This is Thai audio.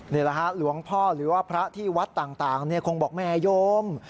นี่แหละฮะหลวงพ่อหรือว่าพระที่วัดต่างคงบอกแม่โยม